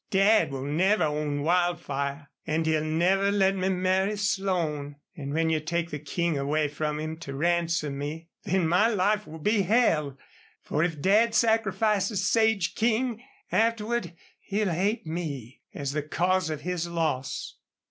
Dad will never own Wildfire, and he'll never let me marry Slone. And when you take the King away from him to ransom me then my life will be hell, for if Dad sacrifices Sage King, afterward he'll hate me as the cause of his loss."